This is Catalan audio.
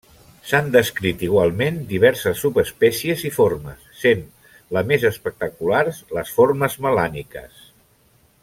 S'han descrit igualment diverses subespècies i formes, sent les més espectaculars les formes melàniques.